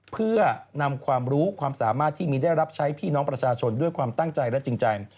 เพื่อนำความรู้ความสามารถที่มีได้รับใช้พี่น้องประชาชนด้วยความตั้งใจและจริงใจ